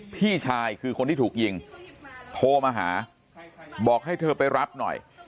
พี่ชายคือคนที่ถูกยิงโทรมาหาบอกให้เธอไปรับหน่อย